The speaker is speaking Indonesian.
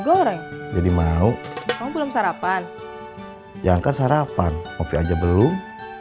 goreng jadi mau kamu belum sarapan yang ke sarapan opi aja belum